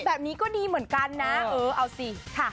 แบบนี้ก็ดีเหมือนกันนะเอาสิ